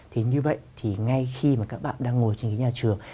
thì như vậy thì ngay khi mà các bạn đang ngồi trên ghế nhà trường